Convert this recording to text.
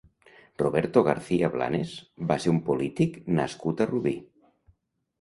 Roberto García Blanes va ser un polític nascut a Rubí.